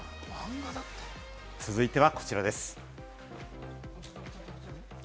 続いてはこちらです。